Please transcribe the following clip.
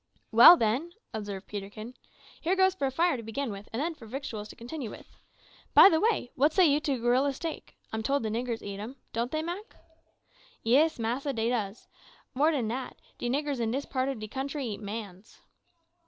"Well, then," observed Peterkin, "here goes for a fire, to begin with, and then for victuals to continue with. By the way, what say you to a gorilla steak? I'm told the niggers eat him. Don't they, Mak?" "Yis, massa, dey does. More dan dat, de niggers in dis part ob country eat mans."